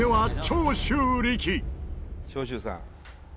長州さん。